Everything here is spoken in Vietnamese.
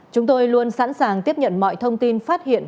chúng tôi luôn sẵn sàng tiếp nhận mọi thông tin phát hiện